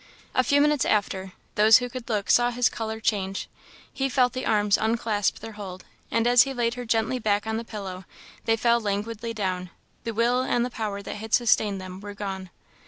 A few minutes after, those who could look saw his colour change; he felt the arms unclasp their hold, and, as he laid her gently back on the pillow, they fell languidly down the will and the power that had sustained them were gone.